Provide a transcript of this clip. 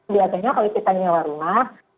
biasanya kalau kita nyewa rumah